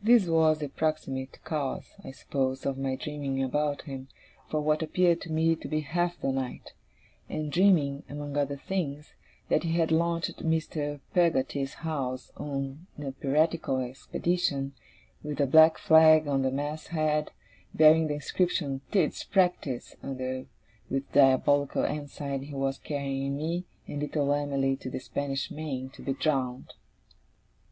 This was the proximate cause, I suppose, of my dreaming about him, for what appeared to me to be half the night; and dreaming, among other things, that he had launched Mr. Peggotty's house on a piratical expedition, with a black flag at the masthead, bearing the inscription 'Tidd's Practice', under which diabolical ensign he was carrying me and little Em'ly to the Spanish Main, to be drowned.